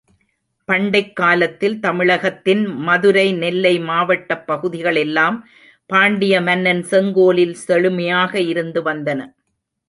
பண்டைக் காலத்தில் தமிழகத்தின் மதுரை, நெல்லை மாவட்டப் பகுதிகள் எல்லாம் பாண்டிய மன்னன் செங்கோலில் செழுமையாக இருந்து வந்தன.